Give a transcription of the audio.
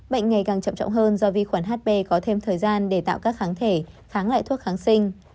bệnh ngày càng chậm trọng hơn do vi khuẩn hp có thêm thời gian để tạo các kháng thể kháng lại thuốc kháng sinh